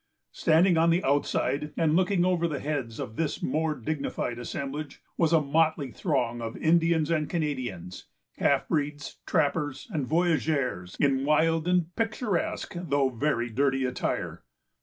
Standing on the outside, and looking over the heads of this more dignified assemblage, was a motley throng of Indians and Canadians, half breeds, trappers, and voyageurs, in wild and picturesque, though very dirty attire.